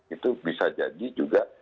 itu bisa jadi juga